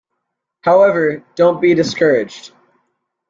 However, don’t be discouraged.